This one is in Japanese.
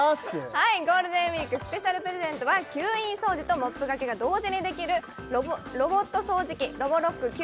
はいゴールデンウィークＳＰプレゼントは吸引掃除とモップがけが同時にできるロボット掃除機ＲｏｂｏｒｏｃｋＱ